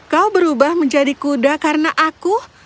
kau berubah menjadi kuda karena aku